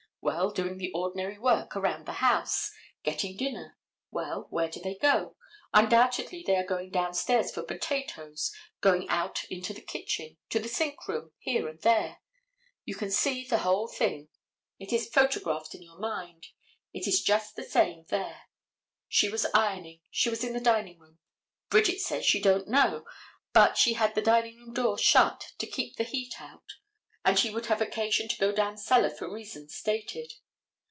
Well, doing the ordinary work around the house, getting dinner. Well, where do they go? Undoubtedly they are going down stairs for potatoes, going out into the kitchen, to the sink room, here and there. You can see the whole thing. It is photographed in your mind. It is just the same there. She was ironing, she was in the dining room. Bridget says she don't know but she had the dining room door shut to keep the heat out, and she would have occasion to go down cellar for reasons stated.